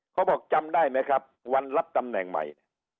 เขาบอกจำได้ไหมครับวันรับตำแหน่งใหม่